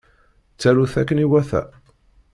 Ttarut akken iwata.